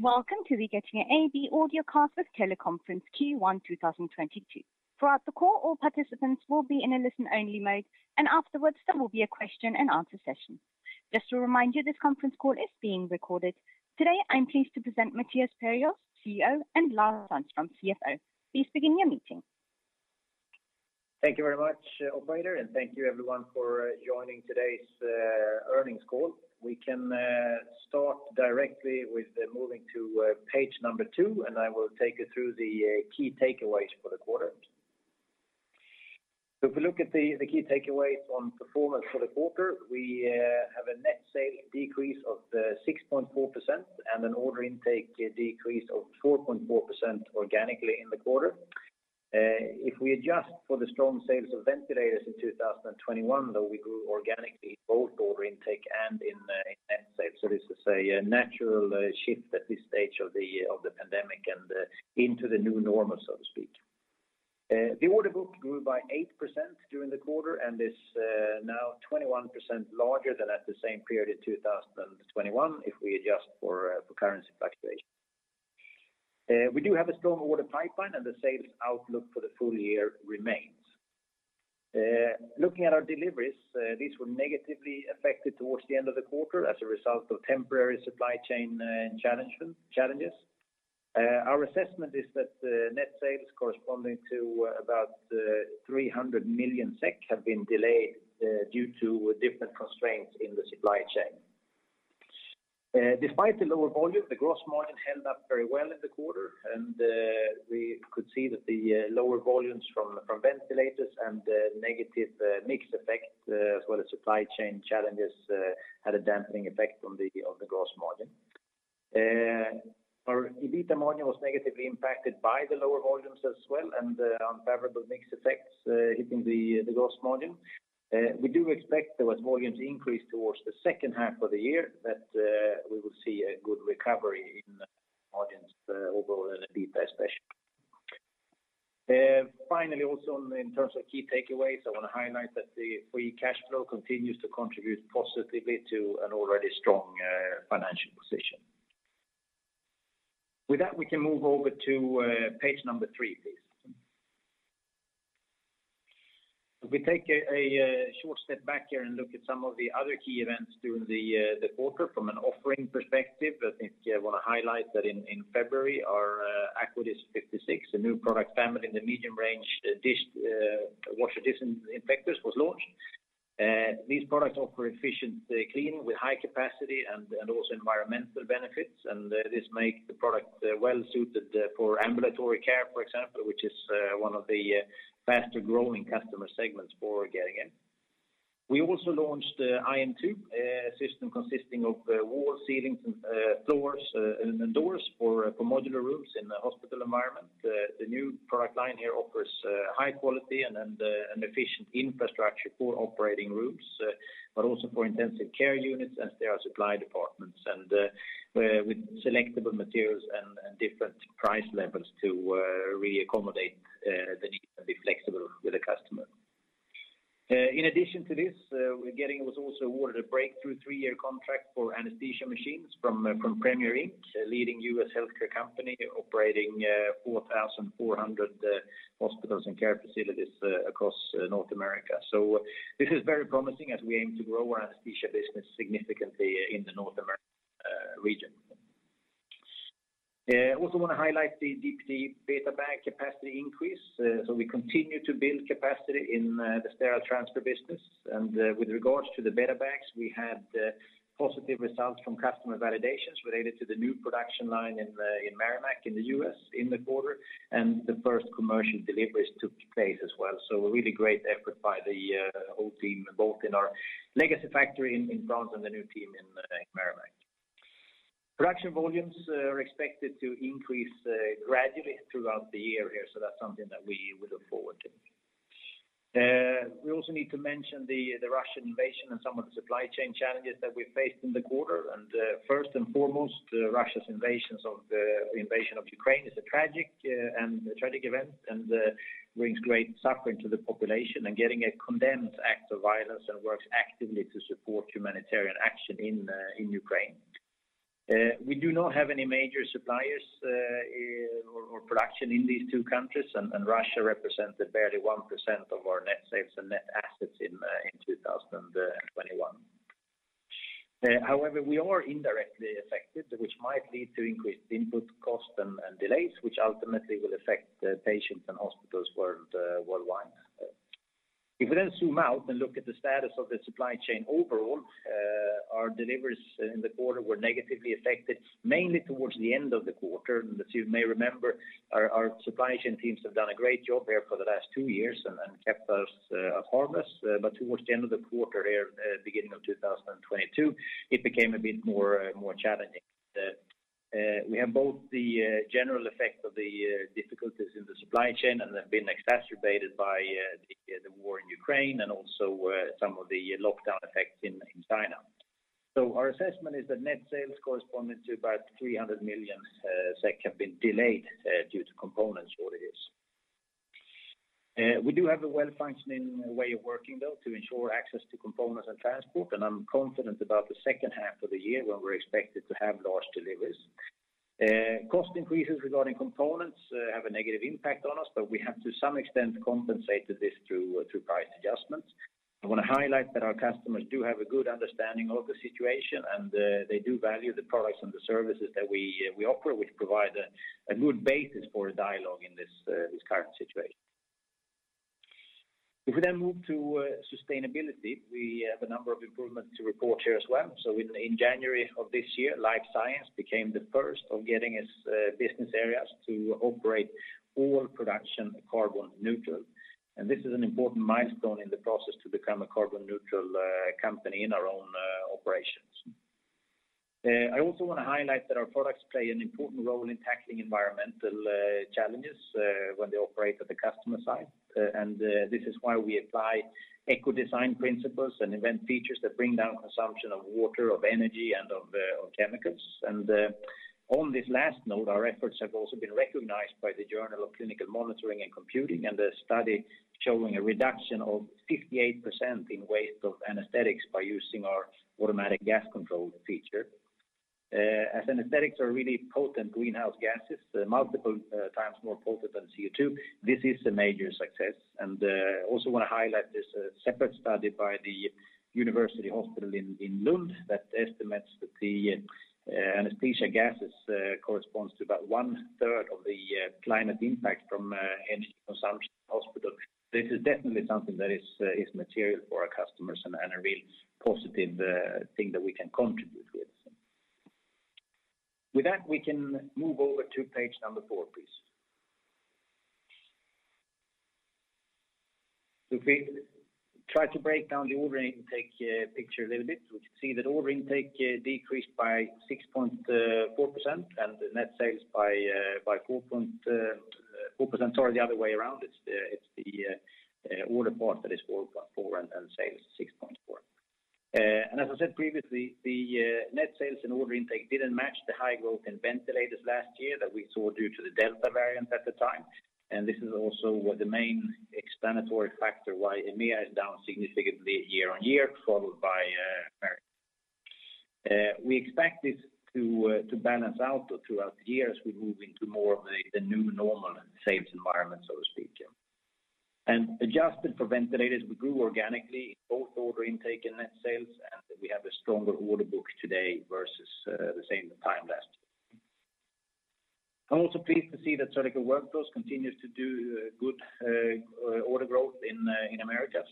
Welcome to the Getinge AB Audio Conference Teleconference Q1 2022. Throughout the call, all participants will be in a listen-only mode, and afterwards, there will be a question-and-answer session. Just to remind you, this Conference Call is being recorded. Today, I'm pleased to present Mattias Perjos, CEO, and Lars Sandström, CFO. Please begin your meeting. Thank you very much, operator, and thank you everyone for joining today's Earnings Call. We can start directly with moving to page number two, and I will take you through the key takeaways for the quarter. If we look at the key takeaways on performance for the quarter, we have a net sales decrease of 6.4% and an order intake decrease of 4.4% organically in the quarter. If we adjust for the strong sales of ventilators in 2021, though, we grew organically both order intake and in net sales. This is a natural shift at this stage of the pandemic and into the new normal, so to speak. The order book grew by 8% during the quarter and is now 21% larger than at the same period in 2021 if we adjust for currency fluctuation. We do have a strong order pipeline, and the sales outlook for the full year remains. Looking at our deliveries, these were negatively affected towards the end of the quarter as a result of temporary supply chain challenges. Our assessment is that net sales corresponding to about 300 million SEK have been delayed due to different constraints in the supply chain. Despite the lower volume, the gross margin held up very well in the quarter, and we could see that the lower volumes from ventilators and the negative mix effect, as well as supply chain challenges, had a dampening effect on the gross margin. Our EBITA margin was negatively impacted by the lower volumes as well and the unfavorable mix effects, hitting the gross margin. We do expect that as volumes increase towards the second half of the year, we will see a good recovery in margins overall and EBITA especially. Finally, also in terms of key takeaways, I wanna highlight that the free cash flow continues to contribute positively to an already strong financial position. With that, we can move over to page number three please. If we take a short step back here and look at some of the other key events during the quarter from an offering perspective, I think I wanna highlight that in February, our Aquadis 56, a new product family in the medium-range washer-disinfector was launched. These products offer efficient cleaning with high capacity and also environmental benefits. This makes the product well-suited for ambulatory care, for example, which is one of the faster-growing customer segments for Getinge. We also launched IN2, a system consisting of walls, ceilings, and floors and doors for modular rooms in the hospital environment. The new product line here offers high quality and an efficient infrastructure for operating rooms, but also for intensive care units and sterile supply departments, and with selectable materials and different price levels to really accommodate the need to be flexible with the customer. In addition to this, we was also awarded a breakthrough three-year contract for anesthesia machines from Premier, Inc., a leading U.S. healthcare company operating 4,400 hospitals and care facilities across North America. This is very promising as we aim to grow our anesthesia business significantly in the North American region. I also wanna highlight the DPTE-BetaBag capacity increase. We continue to build capacity in the sterile transfer business. With regards to the BetaBags, we had positive results from customer validations related to the new production line in Merrimack in the U.S. in the quarter, and the first commercial deliveries took place as well. A really great effort by the whole team, both in our legacy factory in France and the new team in Merrimack. Production volumes are expected to increase gradually throughout the year here, so that's something that we would look forward to. We also need to mention the Russian invasion and some of the supply chain challenges that we faced in the quarter. First and foremost, the invasion of Ukraine is a tragic event and brings great suffering to the population. Getinge condemns this act of violence and works actively to support humanitarian action in Ukraine. We do not have any major suppliers or production in these two countries and Russia represented barely 1% of our net sales and net assets in 2021. However, we are indirectly affected, which might lead to increased input costs and delays, which ultimately will affect the patients and hospitals worldwide. If we zoom out and look at the status of the supply chain overall, our deliveries in the quarter were negatively affected, mainly towards the end of the quarter. As you may remember, our supply chain teams have done a great job there for the last two years and kept us harmless. Towards the end of the quarter here, beginning of 2022, it became a bit more challenging. We have both the general effect of the difficulties in the supply chain and have been exacerbated by the war in Ukraine and also some of the lockdown effects in China. Our assessment is that net sales corresponding to about 300 million have been delayed due to component shortage. We do have a well-functioning way of working though to ensure access to components and transport, and I'm confident about the second half of the year when we're expected to have large deliveries. Cost increases regarding components have a negative impact on us, but we have to some extent compensated this through price adjustments. I wanna highlight that our customers do have a good understanding of the situation, and they do value the products and the services that we offer, which provide a good basis for a dialogue in this current situation. If we then move to sustainability, we have a number of improvements to report here as well. In January of this year, Life Science became the first of Getinge's business areas to operate all production carbon neutral. This is an important milestone in the process to become a carbon neutral company in our own operations. I also wanna highlight that our products play an important role in tackling environmental challenges when they operate at the customer side. This is why we apply eco-design principles and invent features that bring down consumption of water, of energy, and of chemicals. On this last note, our efforts have also been recognized by the Journal of Clinical Monitoring and Computing, and a study showing a reduction of 58% in waste of anesthetics by using our Automatic Gas Control feature. As anesthetics are really potent greenhouse gases, they're multiple times more potent than CO2. This is a major success. I also wanna highlight this separate study by the university hospital in Lund that estimates that the anesthesia gases corresponds to about one-third of the climate impact from energy consumption in hospital. This is definitely something that is material for our customers and a real positive thing that we can contribute with. With that, we can move over to page four, please. If we try to break down the order intake picture a little bit, we can see that order intake decreased by 6.4% and the net sales by 4.4%. Sorry, the other way around. It's the order part that is 4.4 and then sales 6.4. As I said previously, the net sales and order intake didn't match the high growth in ventilators last year that we saw due to the Delta variant at the time. This is also what the main explanatory factor why EMEA is down significantly year-on-year, followed by America. We expect this to balance out though throughout the year as we move into more of a new normal sales environment, so to speak. Adjusted for ventilators, we grew organically in both order intake and net sales, and we have a stronger order book today versus the same time last year. I'm also pleased to see that Surgical Workflows continues to do good order growth in Americas.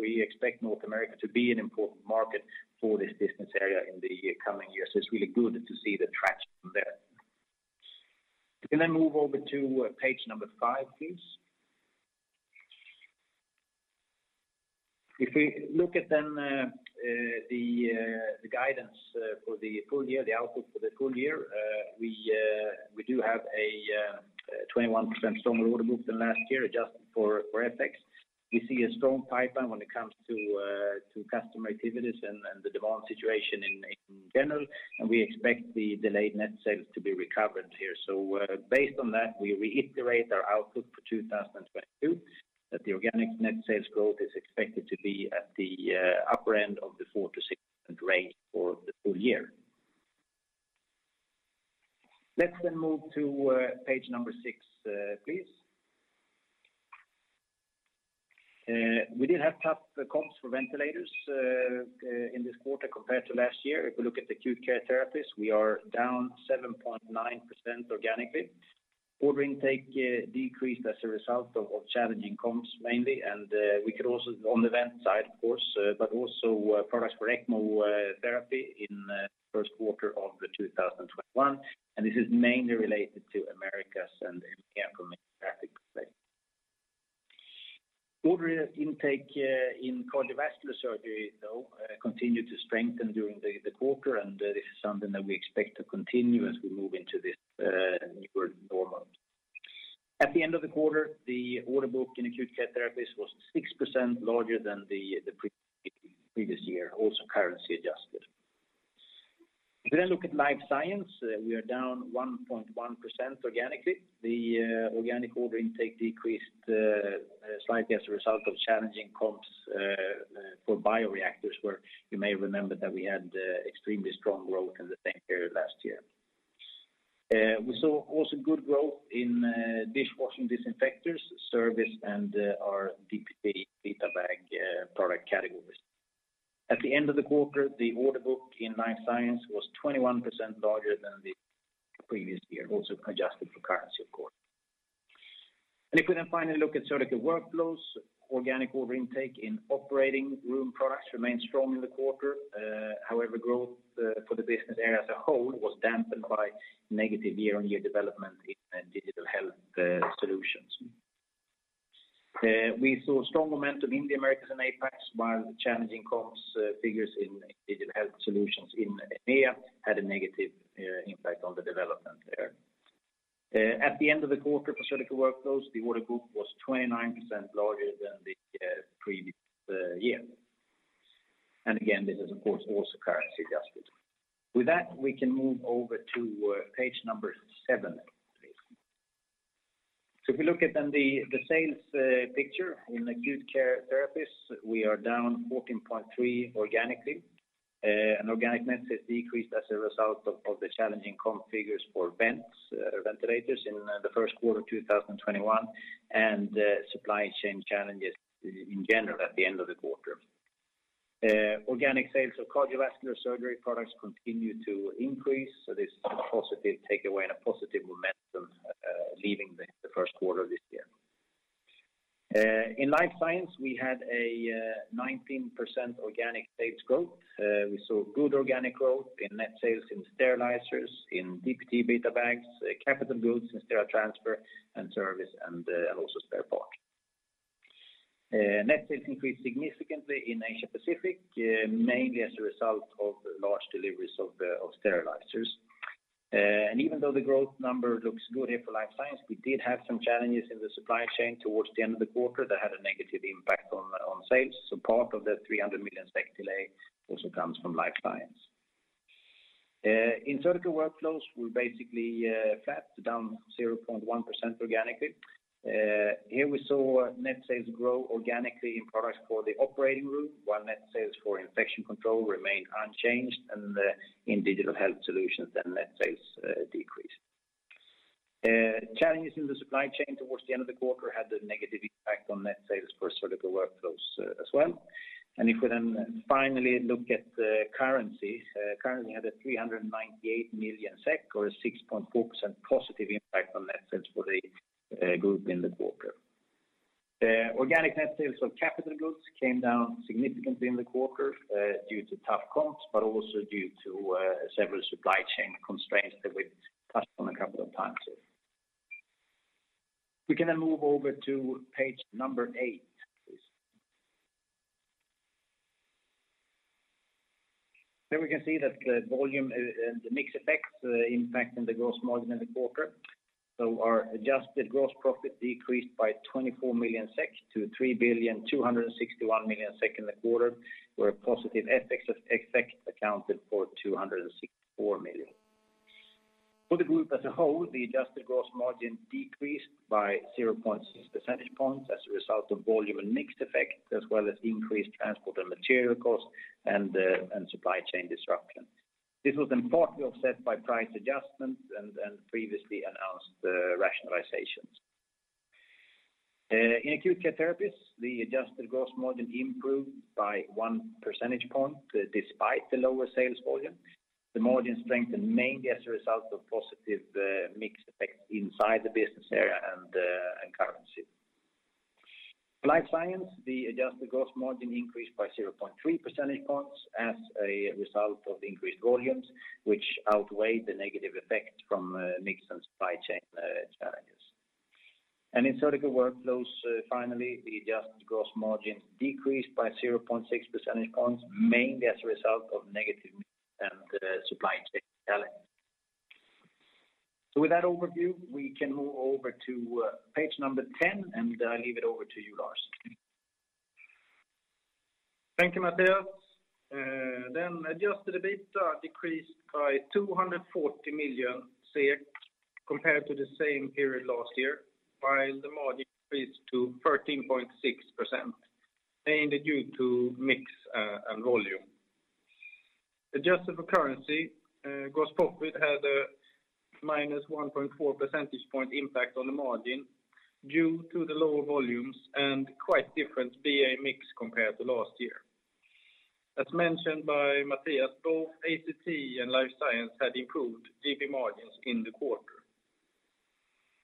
We expect North America to be an important market for this business area in the coming years. It's really good to see the traction there. We can then move over to page five, please. If we look at the guidance for the full year outlook, we do have a 21% stronger order book than last year, adjusted for FX. We see a strong pipeline when it comes to customer activities and the demand situation in general, and we expect the delayed net sales to be recovered here. Based on that, we reiterate our outlook for 2022, that the organic net sales growth is expected to be at the upper end of the 4%-6% range for the full year. Let's then move to page six, please. We did have tough comps for ventilators in this quarter compared to last year. If we look at Acute Care Therapies, we are down 7.9% organically. Order intake decreased as a result of challenging comps mainly, and also on the vent side of course, but also products for ECMO therapy in the first quarter of 2021. This is mainly related to Americas and EMEA from a geographic perspective. Order intake in cardiovascular surgery, though, continued to strengthen during the quarter, and this is something that we expect to continue as we move into this new normal. At the end of the quarter, the order book in Acute Care Therapies was 6% larger than the previous year, also currency adjusted. If we then look at Life Science, we are down 1.1% organically. The organic order intake decreased slightly as a result of challenging comps for bioreactors, where you may remember that we had extremely strong growth in the same period last year. We saw also good growth in dishwashing disinfectors, service, and our DPTE-BetaBag product categories. At the end of the quarter, the order book in Life Science was 21% larger than the previous year, also adjusted for currency, of course. If we then finally look at Surgical Workflows, organic order intake in operating room products remained strong in the quarter. However, growth for the business area as a whole was dampened by negative year-on-year development in Digital Health solutions. We saw strong momentum in the Americas and APAC, while the challenging comps, figures in Digital Health solutions in EMEA had a negative impact on the development there. At the end of the quarter for Surgical Workflows, the order book was 29% larger than the previous year. Again, this is of course also currency adjusted. With that, we can move over to page seven, please. If we look at the sales picture in Acute Care Therapies, we are down 14.3 organically. Organic net sales decreased as a result of the challenging comp figures for vents, ventilators in the first quarter 2021, and supply chain challenges in general at the end of the quarter. Organic sales of cardiovascular surgery products continue to increase. This is a positive takeaway and a positive momentum leaving the first quarter of this year. In Life Science, we had a 19% organic sales growth. We saw good organic growth in net sales in sterilizers, in DPTE-BetaBags, capital goods in Sterile Transfer, and service and also spare parts. Net sales increased significantly in Asia Pacific, mainly as a result of large deliveries of sterilizers. Even though the growth number looks good here for Life Science, we did have some challenges in the supply chain towards the end of the quarter that had a negative impact on sales. Part of the 300 million delay also comes from Life Science. In Surgical Workflows, we're basically flat, down 0.1% organically. Here we saw net sales grow organically in products for the operating room, while net sales for infection control remained unchanged. In digital health solutions, then net sales decreased. Challenges in the supply chain towards the end of the quarter had a negative impact on net sales for surgical workflows, as well. If we then finally look at currency. Currency had a 398 million SEK or a 6.4% positive impact on net sales for the group in the quarter. Organic net sales of capital goods came down significantly in the quarter, due to tough comps, but also due to several supply chain constraints that we've touched on a couple of times here. We can then move over to page please. Here we can see that the volume and the mix effects impact on the gross margin in the quarter. Our adjusted gross profit decreased by 24 million SEK to 3,261 million SEK in the quarter, where a positive FX effect accounted for 264 million SEK. For the group as a whole, the adjusted gross margin decreased by 0.6 percentage points as a result of volume and mix effect, as well as increased transport and material costs and supply chain disruption. This was in part offset by price adjustments and previously announced rationalizations. In Acute Care Therapies, the adjusted gross margin improved by one percentage point despite the lower sales volume. The margin strengthened mainly as a result of positive mix effects inside the business area and currency. Life Science, the adjusted gross margin increased by 0.3 percentage points as a result of increased volumes, which outweighed the negative effect from mix and supply chain challenges. In Surgical Workflows, finally, the adjusted gross margin decreased by 0.6 percentage points, mainly as a result of negative mix and supply chain challenges. With that overview, we can move over to page number 10, and I'll leave it over to you, Lars. Thank you, Mattias. Adjusted EBITDA decreased by 240 million SEK compared to the same period last year, while the margin increased to 13.6%, mainly due to mix and volume. Adjusted for currency, gross profit had a -1.4 percentage point impact on the margin due to the lower volumes and quite different BA mix compared to last year. As mentioned by Mattias, both ACT and Life Science had improved GP margins in the quarter.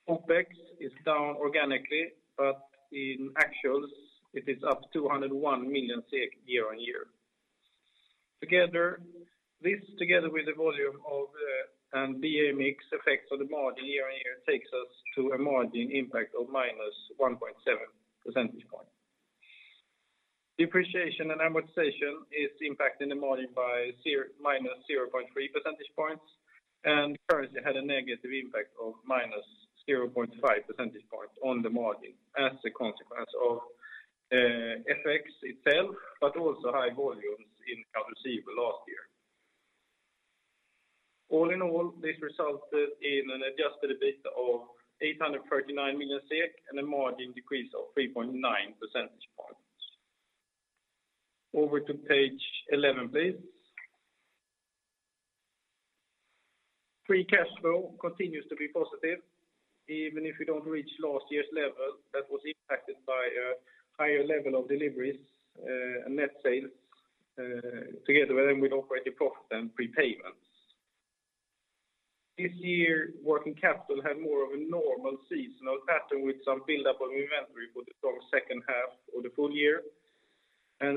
OpEx is down organically, but in actuals it is up 201 million SEK year on year. Together, this with the volume and BA mix effects on the margin year on year takes us to a margin impact of -1.7 percentage points. Depreciation and amortization is impacting the margin by minus 0.3 percentage points, and currency had a negative impact of minus 0.5 percentage points on the margin as a consequence of FX itself, but also high volumes in accounts receivable last year. All in all, this resulted in an adjusted EBITDA of 839 million SEK and a margin decrease of 3.9 percentage points. Over to page 11, please. Free cash flow continues to be positive, even if we don't reach last year's level that was impacted by a higher level of deliveries, and net sales, together with operating profit and prepayments. This year, working capital had more of a normal seasonal pattern with some buildup on inventory for the strong second half of the full year.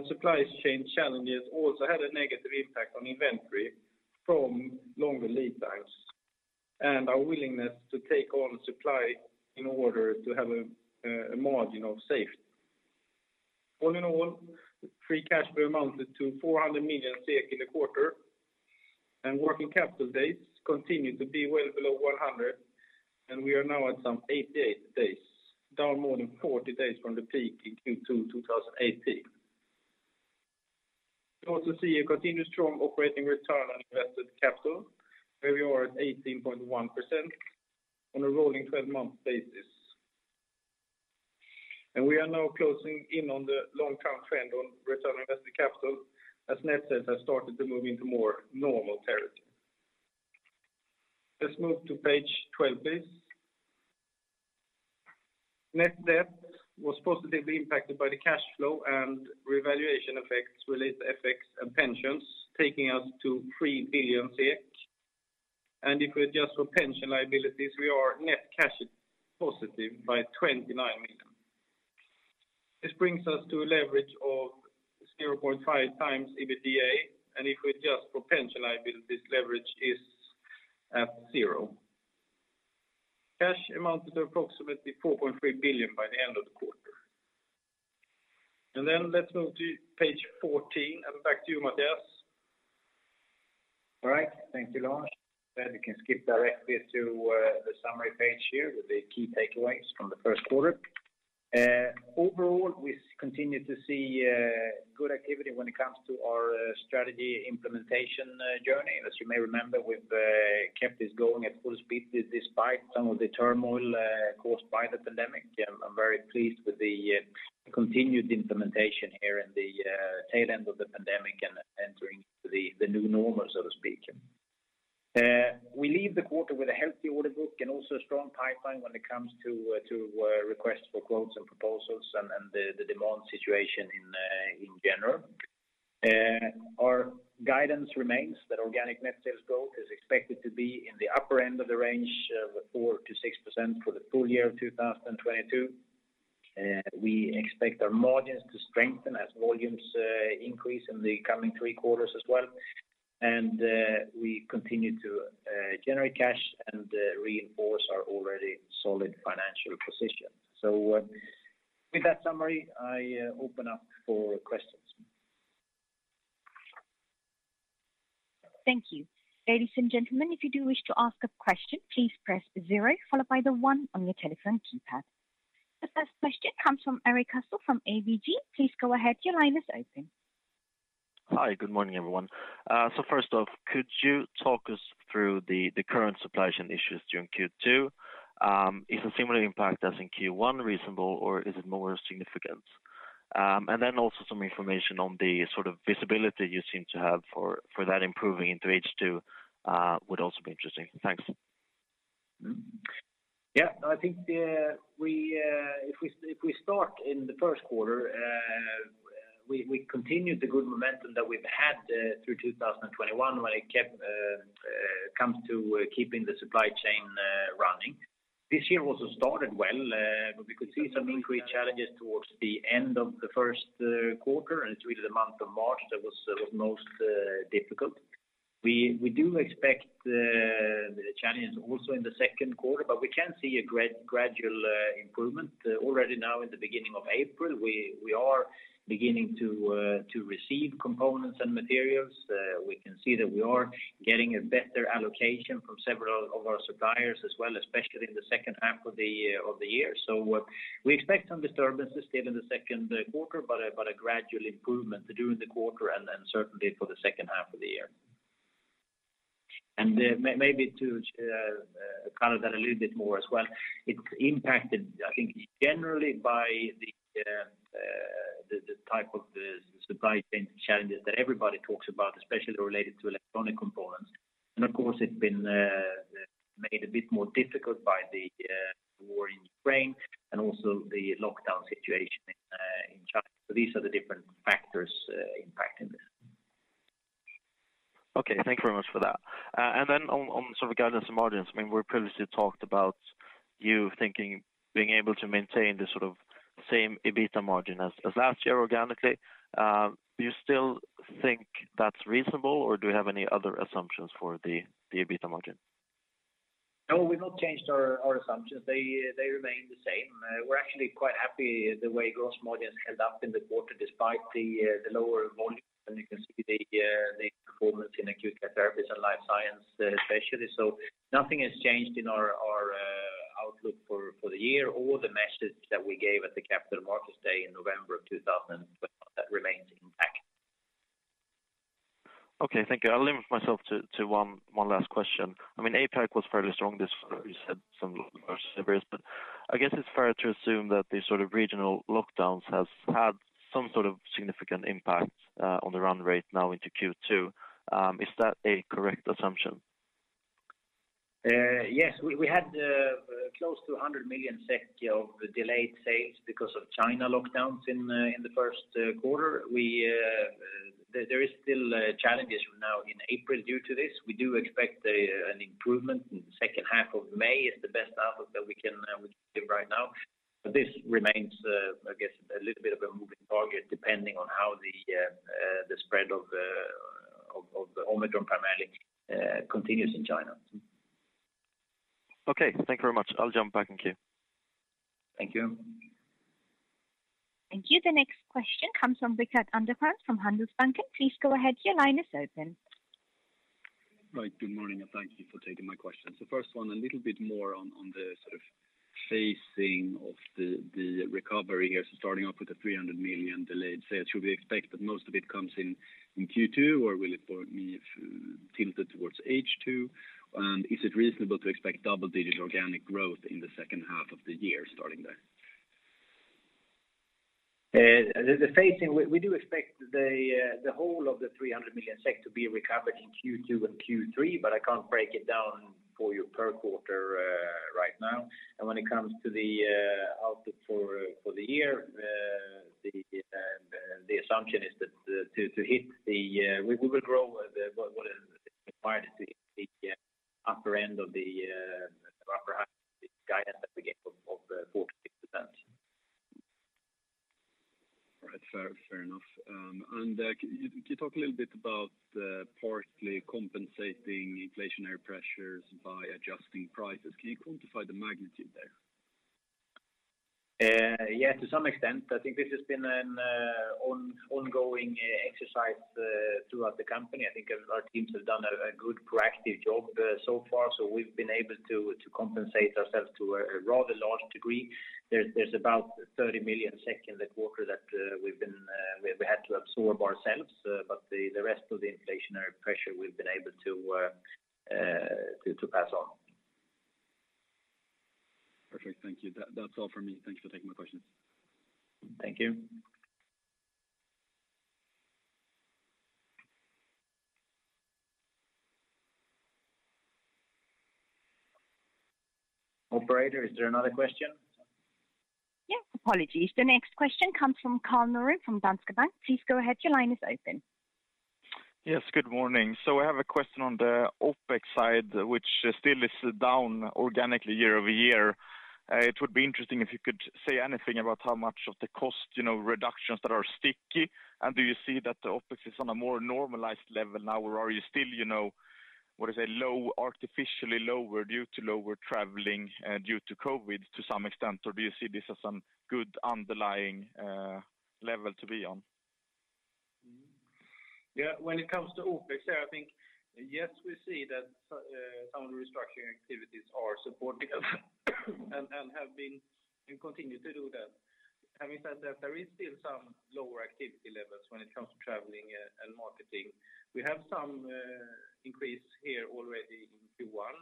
Supply chain challenges also had a negative impact on inventory from longer lead times and our willingness to take on supply in order to have a a margin of safety. All in all, free cash flow amounted to 400 million SEK in the quarter. Working capital days continue to be well below 100, and we are now at some 88 days, down more than 40 days from the peak in Q2 2018. We also see a continuous strong operating return on invested capital, where we are at 18.1% on a rolling 12-month basis. We are now closing in on the long-term trend on return on invested capital as net sales have started to move into more normal territory. Let's move to page 12, please. Net debt was positively impacted by the cash flow and revaluation effects related to FX and pensions, taking us to 3 billion. If we adjust for pension liabilities, we are net cash positive by 29 million. This brings us to a leverage of 0.5x EBITDA, and if we adjust for pension liability, this leverage is at zero. Cash amounted to approximately 4.3 billion by the end of the quarter. Let's move to page 14, and back to you, Mattias. All right. Thank you, Lars. We can skip directly to the summary page here with the key takeaways from the Q1. Overall, we continue to see good activity when it comes to our strategy implementation journey. As you may remember, we've kept this going at full speed despite some of the turmoil caused by the pandemic. I'm very pleased with the continued implementation here in the tail end of the pandemic and entering the new normal, so to speak. We leave the quarter with a healthy order book and also a strong pipeline when it comes to requests for quotes and proposals and the demand situation in general. Our guidance remains that organic net sales growth is expected to be in the upper end of the range of 4%-6% for the full year of 2022. We expect our margins to strengthen as volumes increase in the coming Q3 as well. We continue to generate cash and reinforce our already solid financial position. With that summary, I open up for questions. Thank you. Ladies and gentlemen, if you do wish to ask a question, please press zero followed by the one on your telephone keypad. The first question comes from Erik Cassel from ABG. Please go ahead. Your line is open. Hi. Good morning, everyone. First off, could you talk us through the current supply chain issues during Q2? Is a similar impact as in Q1 reasonable, or is it more significant? Some information on the sort of visibility you seem to have for that improving into H2 would also be interesting. Thanks. I think, if we start in the Q1, we continued the good momentum that we've had through 2021 when it comes to keeping the supply chain running. This year also started well, but we could see some increased challenges towards the end of the Q1, and it's really the month of March that was most difficult. We do expect the challenges also in the Q2, but we can see a gradual improvement. Already now in the beginning of April, we are beginning to receive components and materials. We can see that we are getting a better allocation from several of our suppliers as well, especially in the second half of the year. We expect some disturbances still in the Q2, but a gradual improvement during the quarter and then certainly for the second half of the year. Maybe to color that a little bit more as well, it's impacted, I think, generally by the type of the supply chain challenges that everybody talks about, especially related to electronic components. Of course, it's been made a bit more difficult by the war in Ukraine and also the lockdown situation in China. These are the different factors impacting this. Okay. Thank you very much for that. On sort of guidance and margins, I mean, we previously talked about you thinking being able to maintain the sort of same EBITA margin as last year organically. Do you still think that's reasonable, or do you have any other assumptions for the EBITA margin? No, we've not changed our assumptions. They remain the same. We're actually quite happy the way gross margin held up in the quarter despite the lower volume, and you can see the performance in Acute Care Therapies and Life Science, especially. Nothing has changed in our outlook for the year, or the message that we gave at the Capital Markets Day in November of 2021. That remains intact. Okay, thank you. I'll limit myself to one last question. I mean, APAC was fairly strong this quarter. You said some of our servers, but I guess it's fair to assume that the sort of regional lockdowns has had some sort of significant impact on the run rate now into Q2. Is that a correct assumption? Yes. We had close to 100 million of delayed sales because of China lockdowns in the first quarter. There is still challenges from now in April due to this. We do expect an improvement in the second half of May is the best outlook that we can give right now. This remains, I guess, a little bit of a moving target depending on how the spread of the Omicron pandemic continues in China. Okay. Thank you very much. I'll jump back in queue. Thank you. Thank you. The next question comes from Rickard Anderkrans from Handelsbanken. Please go ahead. Your line is open. Right. Good morning, and thank you for taking my question. First one, a little bit more on the sort of phasing of the recovery here. Starting off with the 300 million delayed sales, should we expect that most of it comes in in Q2, or will it be tilted towards H2? Is it reasonable to expect double-digit organic growth in the second half of the year starting there? The phasing, we do expect the whole of 300 million to be recovered in Q2 and Q3, but I can't break it down for you per quarter, right now. When it comes to the output for the year, the assumption is that what is required is the upper end of the upper end of the guidance that we gave of 4%-6%. All right. Fair enough. Could you talk a little bit about partly compensating inflationary pressures by adjusting prices? Can you quantify the magnitude there? Yeah, to some extent. I think this has been an ongoing exercise throughout the company. I think our teams have done a good proactive job so far, so we've been able to compensate ourselves to a rather large degree. There's about 30 million in the quarter that we had to absorb ourselves, but the rest of the inflationary pressure we've been able to pass on. Perfect. Thank you. That's all for me. Thank you for taking my questions. Thank you. Operator, is there another question? Yes. Apologies. The next question comes from Karl Norén' from Danske Bank. Please go ahead. Your line is open. Yes. Good morning. I have a question on the OpEx side, which still is down organically year over year. It would be interesting if you could say anything about how much of the cost, you know, reductions that are sticky. Do you see that the OpEx is on a more normalized level now? Or are you still, you know, what is it, low, artificially lower due to lower traveling, due to COVID to some extent? Or do you see this as some good underlying level to be on? Yeah. When it comes to OpEx here, I think, yes, we see that so, some of the restructuring activities are supported and have been and continue to do that. Having said that, there is still some lower activity levels when it comes to traveling and marketing. We have some increase here already in Q1.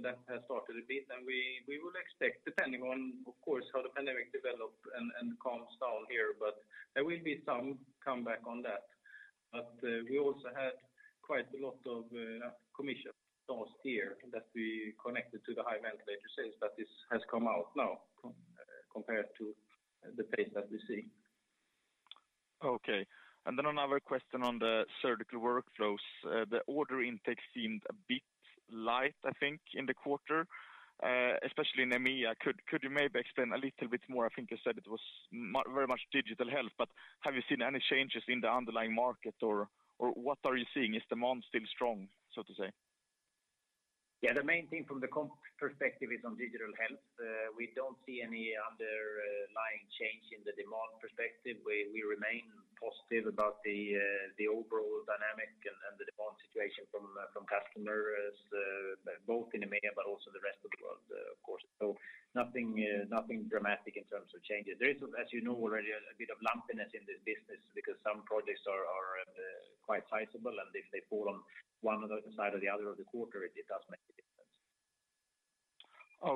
That has started a bit. We will expect, depending on, of course, how the pandemic develops and calms down here, but there will be some comeback on that. We also had quite a lot of commission last year that we connected to the high ventilator sales, but this has come out now compared to the pace that we see. Okay. Another question on the Surgical Workflows. The order intake seemed a bit light, I think, in the quarter, especially in EMEA. Could you maybe explain a little bit more? I think you said it was very much Digital Health, but have you seen any changes in the underlying market or what are you seeing? Is demand still strong, so to say? Yeah. The main thing from the comp perspective is on Digital Health. We don't see any underlying change in the demand perspective. We remain positive about the overall dynamic and the demand situation from customers both in EMEA but also the rest of the world, of course. Nothing dramatic in terms of changes. There is, as you know already, a bit of lumpiness in this business because some projects are quite sizable, and if they fall on one side or the other of the quarter, it does make a difference.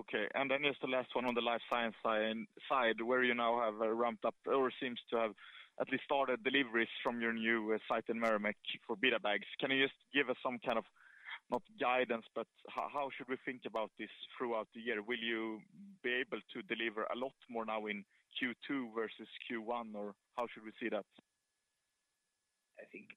Okay. Just the last one on the life science side, where you now have ramped up or seems to have at least started deliveries from your new site in Merrimack for BetaBags. Can you just give us some kind of, not guidance, but how should we think about this throughout the year? Will you be able to deliver a lot more now in Q2 versus Q1, or how should we see that? I think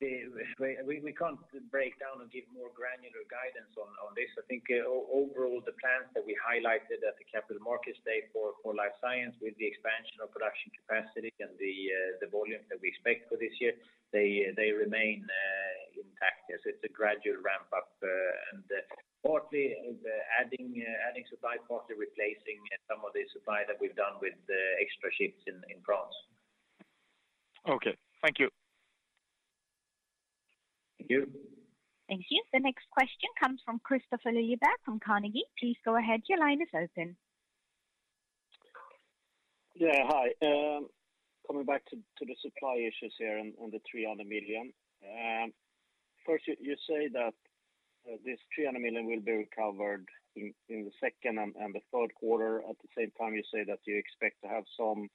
we can't break down and give more granular guidance on this. I think overall, the plans that we highlighted at the Capital Markets Day for Life Science with the expansion of production capacity and the volumes that we expect for this year, they remain intact. Yes, it's a gradual ramp-up, and partly adding supply, partly replacing some of the supply that we've done with the extra shifts in France. Okay. Thank you. Thank you. Thank you. The next question comes from Kristofer Liljeberg from Carnegie. Please go ahead. Your line is open. Yeah. Hi. Coming back to the supply issues here on the 300 million. First, you say that this 300 million will be recovered in the second and the third quarter. At the same time, you say that you expect to have some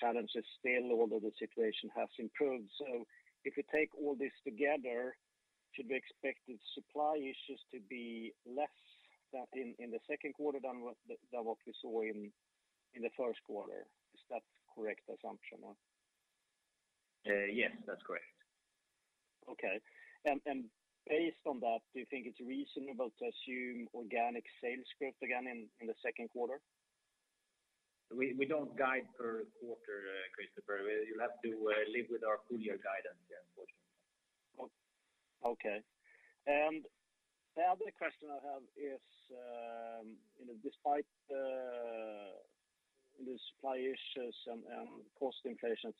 challenges still, although the situation has improved. If you take all this together, should we expect the supply issues to be less than in the second quarter than what we saw in the first quarter? Is that correct assumption or? Yes, that's correct. Okay. Based on that, do you think it's reasonable to assume organic sales growth again in the second quarter? We don't guide per quarter, Christopher. You'll have to live with our full-year guidance. Okay. The other question I have is, you know, despite the supply issues and cost inflation,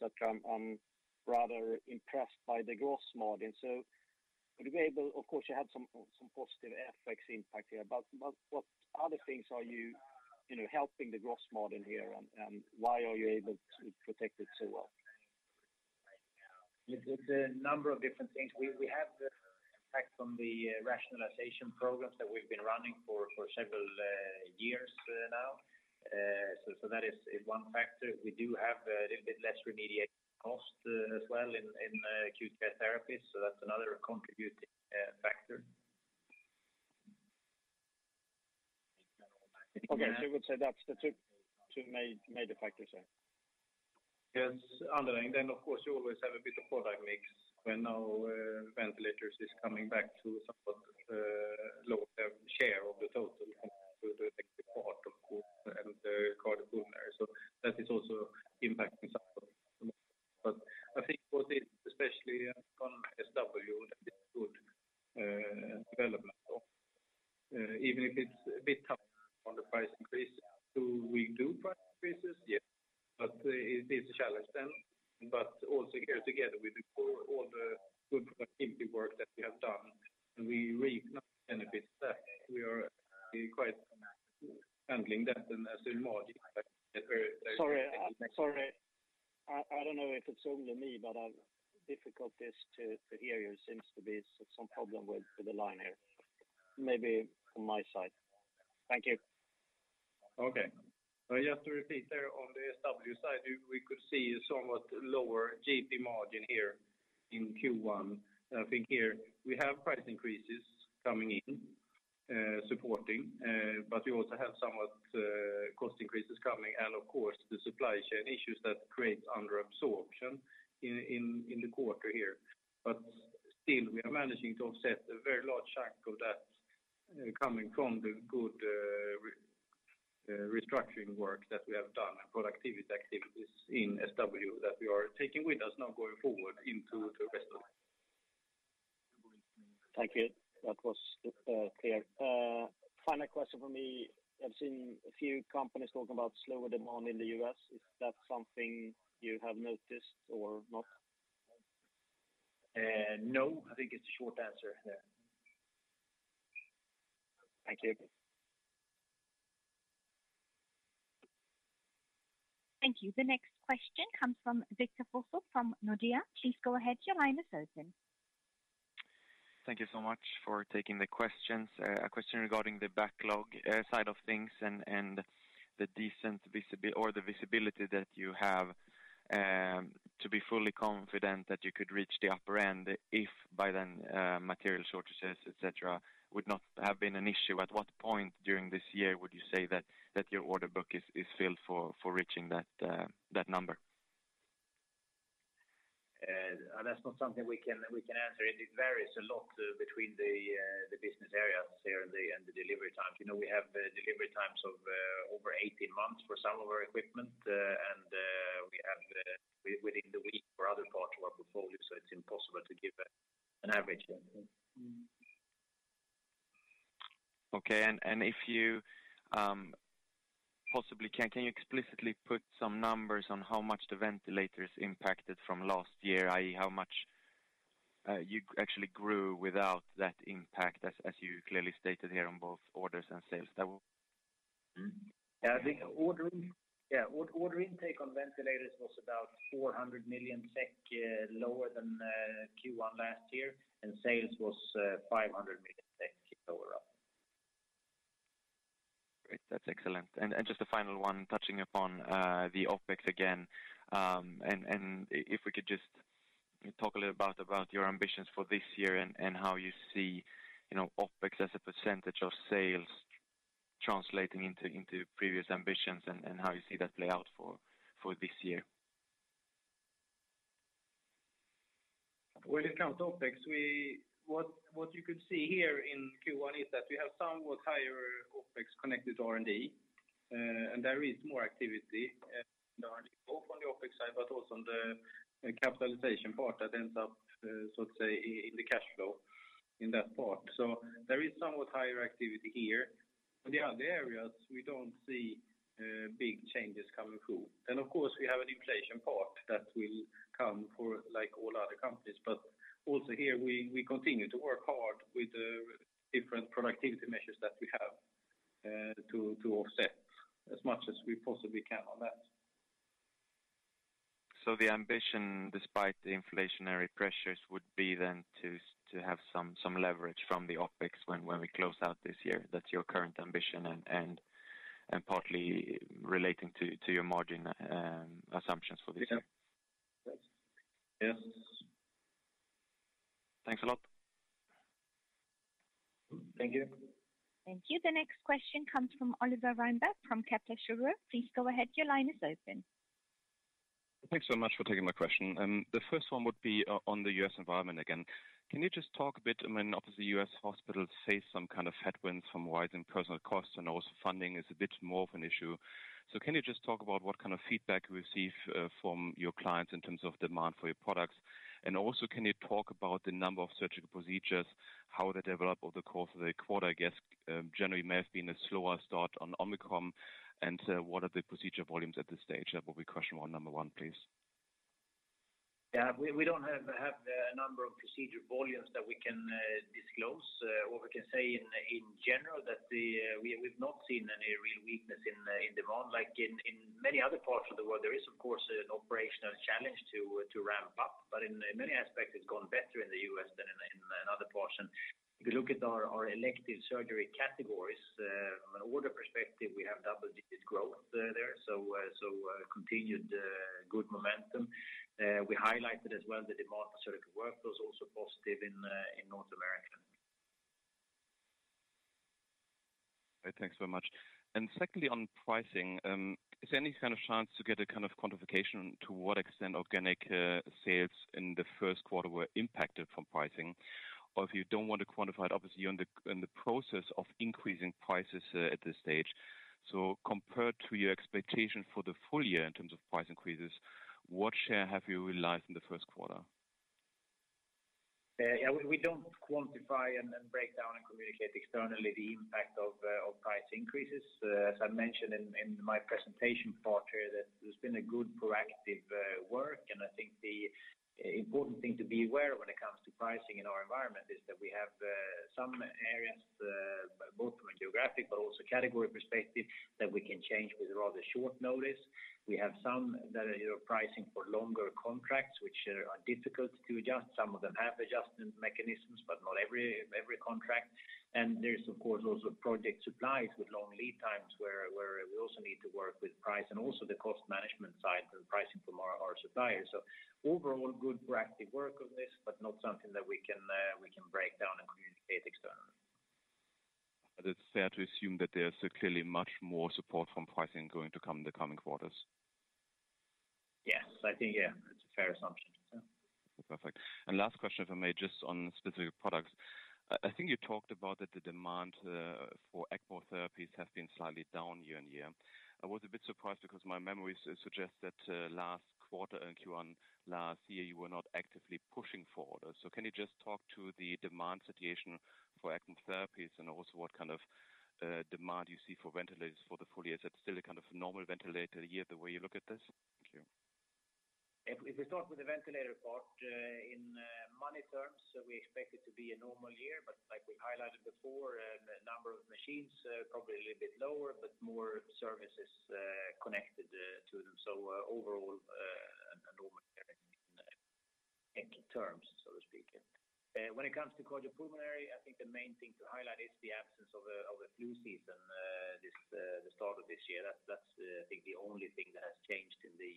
I'm rather impressed by the gross margin. Would you be able? Of course, you have some positive FX impact here, but what other things are you helping the gross margin here and why are you able to protect it so well? It's a number of different things. We have the impact from the rationalization programs that we've been running for several years now. That is one factor. We do have a little bit less remediation cost as well in Acute Care Therapies. That's another contributing factor. Okay. You would say that's the two main, major factors there. Yes. Underlying then of course you always have a bit of product mix when our ventilators is coming back to somewhat lower share of the total compared to the active part of the Cardiopulmonary. That is also impacting somewhat. I think what is especially on SW that is good development of even if it's a bit tougher on the price increase. Do we do price increases? Yes. It is a challenge then. Also here together with the core, all the good productivity work that we have done, and we reap benefits there. We are quite handling that and as in margin. Sorry. I don't know if it's only me, but I've difficulties to hear you. It seems to be some problem with the line here. Maybe on my side. Thank you. Okay. I just repeat there on the SW side, we could see somewhat lower GP margin here in Q1. I think here we have price increases coming in, supporting, but we also have somewhat cost increases coming and of course the supply chain issues that creates under absorption in the quarter here. But still, we are managing to offset a very large chunk of that, coming from the good restructuring work that we have done and productivity activities in SW that we are taking with us now going forward into the rest of the year. Thank you. That was clear. Final question from me. I've seen a few companies talk about slower demand in the U.S. Is that something you have noticed or not? No, I think it's a short answer there. Thank you. Thank you. The next question comes from Victor Forssell from Nordea. Please go ahead, your line is open. Thank you so much for taking the questions. A question regarding the backlog side of things and the visibility that you have to be fully confident that you could reach the upper end if by then material shortages, et cetera, would not have been an issue. At what point during this year would you say that your order book is filled for reaching that number? That's not something we can answer. It varies a lot between the business areas here and the delivery times. You know, we have delivery times of over 18 months for some of our equipment, and we have within the week for other parts of our portfolio, so it's impossible to give an average there. Okay. If you possibly can you explicitly put some numbers on how much the ventilators impacted from last year, i.e., how much you actually grew without that impact as you clearly stated here on both orders and sales level? I think order intake on ventilators was about 400 million SEK lower than Q1 last year, and sales was 500 million SEK lower up. Great. That's excellent. Just a final one touching upon the OpEx again. If we could just talk a little about your ambitions for this year and how you see, you know, OpEx as a percentage of sales translating into previous ambitions and how you see that play out for this year. When it comes to OpEx, what you could see here in Q1 is that we have somewhat higher OpEx connected to R&D. There is more activity both on the OpEx side, but also on the capitalization part that ends up so to say in the cash flow in that part. There is somewhat higher activity here. On the other areas, we don't see big changes coming through. Of course, we have an inflation part that will come for like all other companies. Also here we continue to work hard with the different productivity measures that we have to offset as much as we possibly can on that. The ambition, despite the inflationary pressures, would be then to have some leverage from the OpEx when we close out this year. That's your current ambition and partly relating to your margin assumptions for this year? Yes. Thanks a lot. Thank you. Thank you. The next question comes from Oliver Reinberg from Kepler Cheuvreux. Please go ahead, your line is open. Thanks so much for taking my question. The first one would be on the U.S. environment again. Can you just talk a bit, I mean, obviously, U.S. hospitals face some kind of headwinds from rising personal costs, and also funding is a bit more of an issue. Can you just talk about what kind of feedback you receive from your clients in terms of demand for your products? Also, can you talk about the number of surgical procedures, how they develop over the course of the quarter? I guess, January may have been a slower start on Omicron. What are the procedure volumes at this stage? That will be question one, number one, please. We don't have the number of procedure volumes that we can disclose. What we can say in general that we have not seen any real weakness in demand. Like in many other parts of the world, there is of course an operational challenge to ramp up. But in many aspects, it's gone better in the U.S. than in other portions. If you look at our elective surgery categories, from an order perspective, we have double-digit growth there. Continued good momentum. We highlighted as well the demand for Surgical Workflows also positive in North America. Thanks very much. Secondly, on pricing, is there any kind of chance to get a kind of quantification to what extent organic sales in the Q1 were impacted from pricing? Or if you don't want to quantify it, obviously you're on the process of increasing prices at this stage. Compared to your expectation for the full year in terms of price increases, what share have you realized in the Q1? Yeah, we don't quantify and then break down and communicate externally the impact of price increases. As I mentioned in my presentation part here, that there's been a good proactive work. I think the important thing to be aware when it comes to pricing in our environment is that we have some areas, both from a geographic but also category perspective, that we can change with rather short notice. We have some that are, you know, pricing for longer contracts, which are difficult to adjust. Some of them have adjustment mechanisms, but not every contract. There's of course also project supplies with long lead times where we also need to work with price and also the cost management side and pricing from our suppliers. Overall, good proactive work on this, but not something that we can break down and communicate externally. It's fair to assume that there's clearly much more support from pricing going to come in the coming quarters. Yes. I think, yeah, that's a fair assumption. Yeah. Perfect. Last question, if I may, just on specific products. I think you talked about that the demand for ECMO therapies has been slightly down year on year. I was a bit surprised because my memory suggests that last quarter in Q1 last year, you were not actively pushing for orders. Can you just talk to the demand situation for ECMO therapies and also what kind of demand you see for ventilators for the full year? Is that still a kind of normal ventilator year, the way you look at this? Thank you. If we start with the ventilator part, in money terms, we expect it to be a normal year. Like we highlighted before, the number of machines are probably a little bit lower, but more services, connected, to them. Overall, a normal year in ECMO terms, so to speak. When it comes to Cardiopulmonary, I think the main thing to highlight is the absence of a flu season, the start of this year. That's, I think the only thing that has changed in the,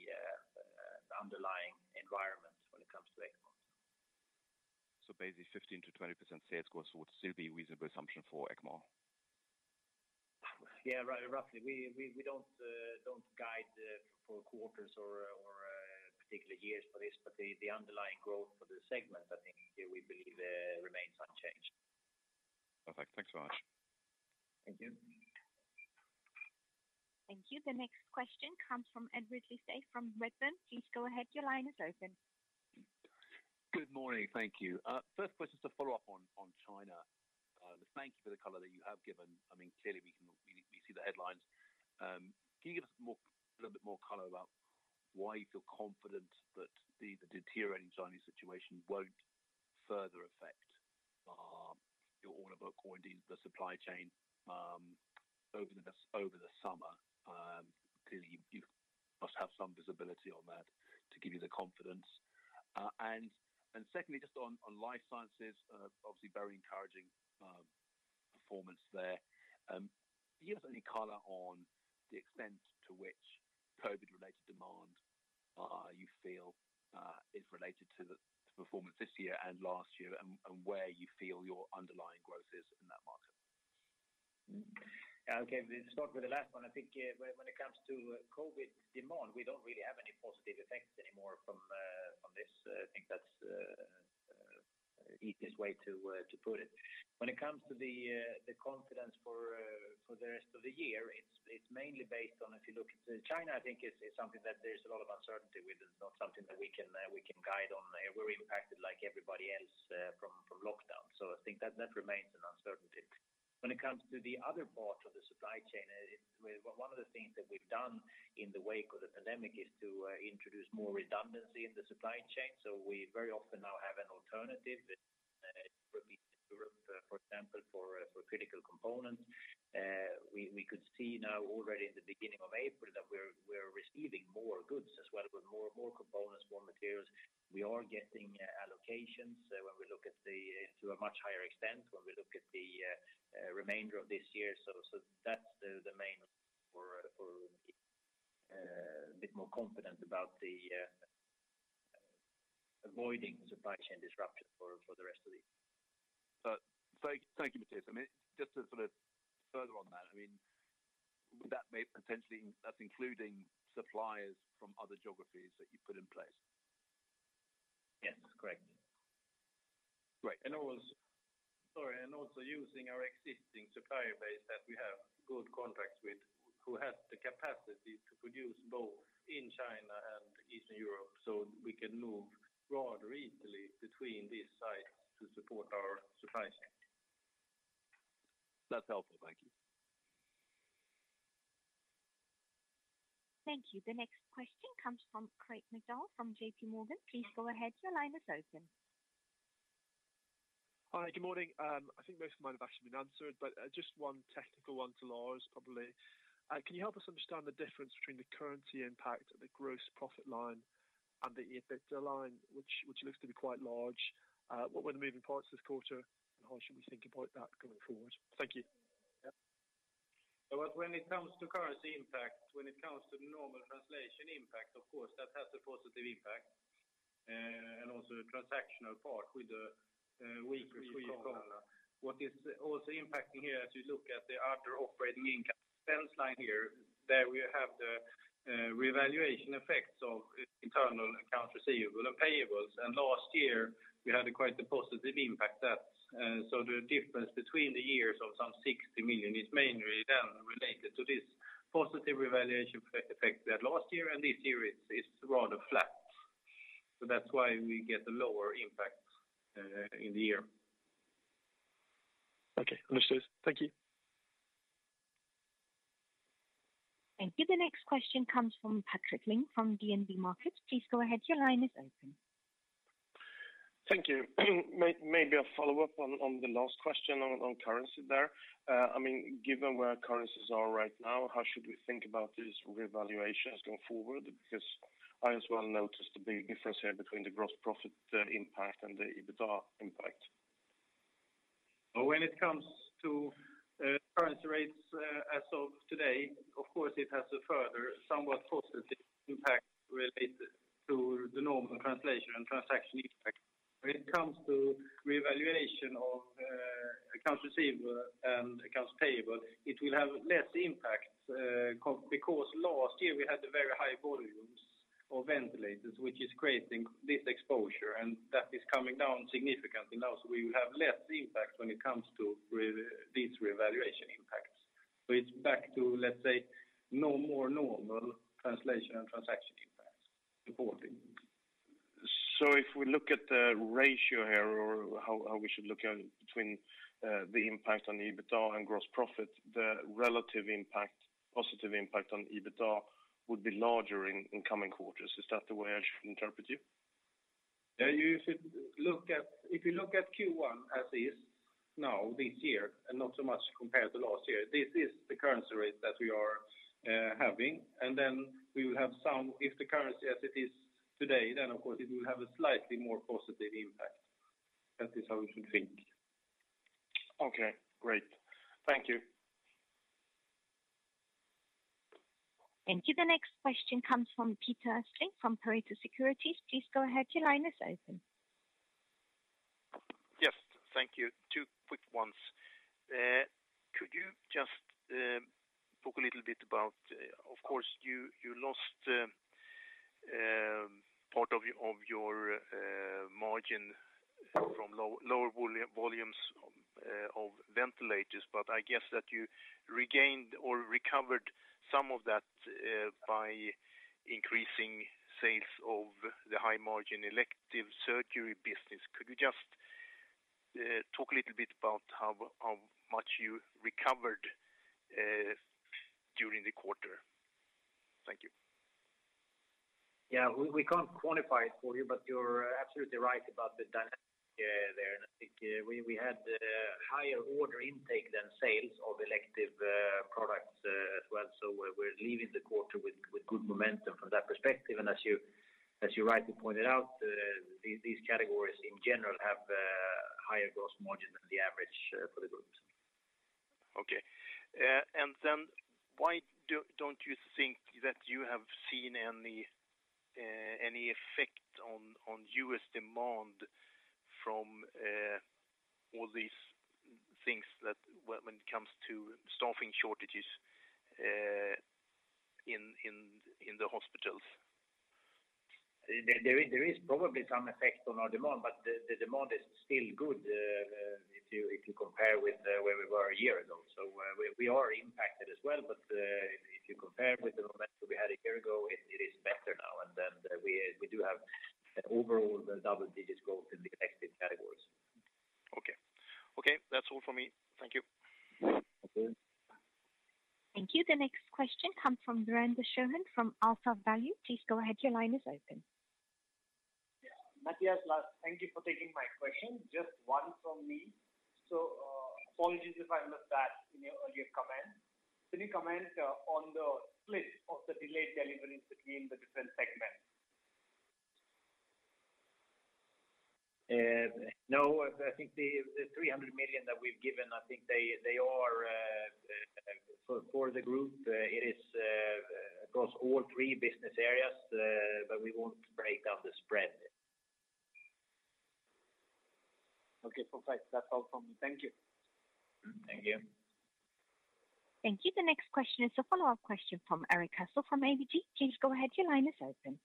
underlying environment when it comes to ECMO. Basically 15%-20% sales growth would still be a reasonable assumption for ECMO? Yeah, roughly. We don't guide for quarters or particular years for this. The underlying growth for the segment, I think we believe remains unchanged. Perfect. Thanks very much. Thank you. Thank you. The next question comes from Edward Lewis from Redburn. Please go ahead. Your line is open. Good morning. Thank you. First question is to follow up on China. Thank you for the color that you have given. I mean, clearly, we see the headlines. Can you give us a little bit more color about why you feel confident that the deteriorating Chinese situation won't further affect your order book or indeed the supply chain over the summer? Clearly, you must have some visibility on that to give you the confidence. Secondly, just on life sciences, obviously very encouraging performance there. Can you give us any color on the extent to which COVID-related demand you feel is related to the performance this year and last year and where you feel your underlying growth is in that market? Okay. Let's start with the last one. I think when it comes to COVID demand, we don't really have any positive effects anymore from this. I think that's the easiest way to put it. When it comes to the confidence for the rest of the year, it's mainly based on if you look at China. I think it's something that there's a lot of uncertainty with. It's not something that we can guide on. We're impacted like everybody else from lockdown. I think that remains an uncertainty. When it comes to the other part of the supply chain, one of the things that we've done in the wake of the pandemic is to introduce more redundancy in the supply chain. We very often now have an alternative, for example, for critical components. We could see now already in the beginning of April that we're receiving more goods as well, with more components, more materials. We are getting allocations to a much higher extent when we look at the remainder of this year. That's the main for a bit more confident about the Avoiding supply chain disruption for the rest of the year. Thank you, Mattias. I mean, just to sort of further on that, I mean, would that be potentially that's including suppliers from other geographies that you put in place? Yes, correct. Great. using our existing supplier base that we have good contracts with, who have the capacity to produce both in China and Eastern Europe, so we can move rather easily between these sites to support our supply chain. That's helpful. Thank you. Thank you. The next question comes from Craig McDonald from JPMorgan. Please go ahead, your line is open. Hi, good morning. I think most of mine have actually been answered, but just one technical one to Lars probably. Can you help us understand the difference between the currency impact, the gross profit line, and the EBITDA line, which looks to be quite large? What were the moving parts this quarter, and how should we think about that going forward? Thank you. Yeah. When it comes to currency impact, when it comes to the normal translation impact, of course, that has a positive impact, and also a transactional part with the weaker Swedish krona. What is also impacting here, as you look at the other operating income expense line here, there we have the revaluation effects of internal accounts receivable and payables. Last year we had quite a positive impact that, so the difference between the years of some 60 million is mainly then related to this positive revaluation effect that last year, and this year it's rather flat. That's why we get a lower impact in the year. Okay. Understood. Thank you. Thank you. The next question comes from Patrik Ling from DNB Markets. Please go ahead, your line is open. Thank you. Maybe a follow-up on the last question on currency there. I mean, given where currencies are right now, how should we think about these revaluations going forward? Because I as well noticed a big difference here between the gross profit impact and the EBITDA impact. When it comes to currency rates, as of today, of course, it has a further somewhat positive impact related to the normal translation and transaction impact. When it comes to revaluation of accounts receivable and accounts payable, it will have less impact, because last year we had very high volumes of ventilators, which is creating this exposure, and that is coming down significantly now. We will have less impact when it comes to these revaluation impacts. It's back to, let's say, no more normal translation and transaction impacts going forward. If we look at the ratio here or how we should look at between the impact on EBITDA and gross profit, the relative impact, positive impact on EBITDA would be larger in coming quarters. Is that the way I should interpret you? If you look at Q1 as is now this year, and not so much compared to last year, this is the currency rate that we are having. If the currency as it is today, then of course it will have a slightly more positive impact. That is how you should think. Okay, great. Thank you. Thank you. The next question comes from Peter Östling from Pareto Securities. Please go ahead, your line is open. Yes. Thank you. Two quick ones. Could you just talk a little bit about, of course, you lost part of your margin from lower volumes of ventilators, but I guess that you regained or recovered some of that by increasing sales of the high margin elective surgery business. Could you just talk a little bit about how much you recovered during the quarter? Thank you. Yeah. We can't quantify it for you, but you're absolutely right about the dynamic there. I think we had higher order intake than sales of elective products as well. We're leaving the quarter with good momentum from that perspective. As you rightly pointed out, these categories in general have higher gross margin than the average for the group. Okay. Why don't you think that you have seen any effect on U.S. demand from all these things that when it comes to staffing shortages in the hospitals? There is probably some effect on our demand, but the demand is still good if you compare with where we were a year ago. We are impacted as well. If you compare with the momentum we had a year ago, it is better now. We do have an overall double digits growth in the elective categories. Okay. Okay. That's all for me. Thank you. Okay. Thank you. The next question comes from Virendra Chauhan from AlphaValue. Please go ahead, your line is open. Mattias, Lars, thank you for taking my question. Just one from me. Apologies if I missed that in your earlier comment. Can you comment on the split of the delayed deliveries between the different segments? No. I think the 300 million that we've given, I think they are. For the group, it is across all three business areas, but we won't break out the spread. Okay, perfect. That's all from me. Thank you. Thank you. Thank you. The next question is a follow-up question from Erik Cassel from ABG. Please go ahead. Your line is open.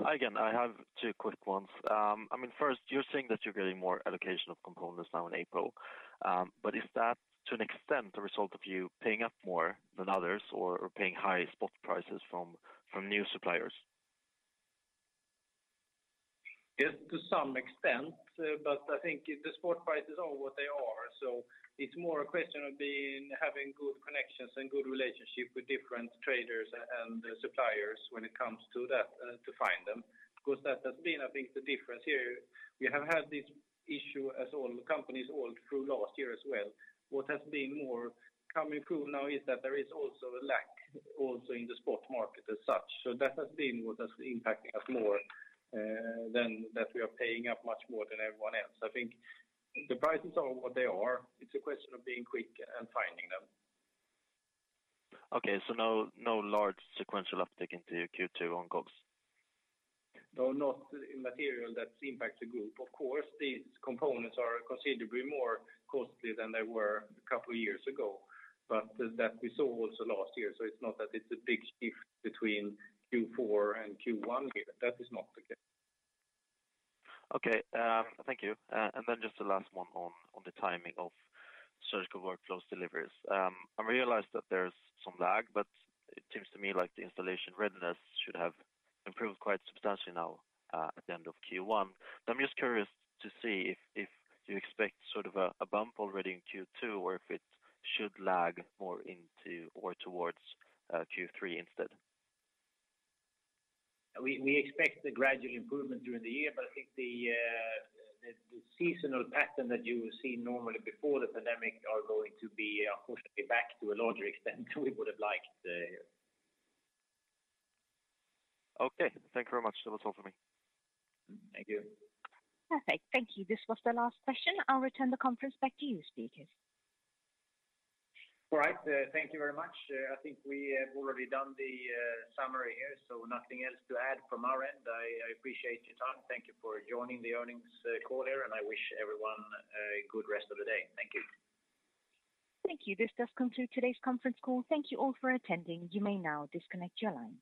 Hi again. I have two quick ones. I mean, first, you're saying that you're getting more allocation of components now in April, but is that to an extent the result of you paying up more than others or paying high spot prices from new suppliers? Yes, to some extent, but I think the spot prices are what they are. It's more a question of having good connections and good relationship with different traders and suppliers when it comes to that, to find them. Because that has been, I think the difference here. We have had this issue as all companies all through last year as well. What has been more coming through now is that there is also a lack also in the spot market as such. That has been what has impacting us more, than that we are paying up much more than everyone else. I think the prices are what they are. It's a question of being quick and finding them. Okay. No, no large sequential uptick into Q2 on costs? No, not in material that impacts the group. Of course, these components are considerably more costly than they were a couple of years ago, but that we saw also last year. It's not that it's a big shift between Q4 and Q1 here. That is not the case. Okay. Thank you. Just the last one on the timing of Surgical Workflows deliveries. I realize that there's some lag, but it seems to me like the installation readiness should have improved quite substantially now, at the end of Q1. I'm just curious to see if you expect sort of a bump already in Q2 or if it should lag more into or towards Q3 instead. We expect a gradual improvement during the year, but I think the seasonal pattern that you see normally before the pandemic are going to be hopefully back to a larger extent than we would have liked. Okay. Thank you very much. That was all for me. Thank you. Perfect. Thank you. This was the last question. I'll return the conference back to you, speakers. All right. Thank you very much. I think we have already done the summary here, so nothing else to add from our end. I appreciate your time. Thank you for joining the earnings call here, and I wish everyone a good rest of the day. Thank you. Thank you. This does conclude today's Conference Call. Thank you all for attending. You may now disconnect your line.